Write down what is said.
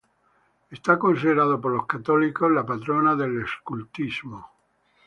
Es considerada por los católicos, la patrona del Escultismo.